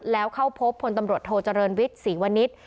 แล้วเข้าพบพลตำรวจโทเจริญวิทย์ศรีวณิชย์